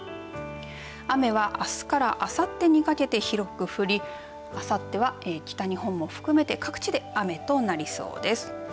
雨はあすからあさってにかけて広く降りあさっては北日本も含めて各地で雨となりそうです。